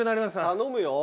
頼むよ。